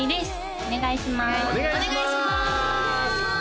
お願いします